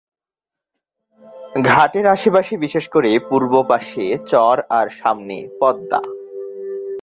ঘাটের আশপাশে বিশেষ করে পূর্ব পাশে চর আর সামনে পদ্মা।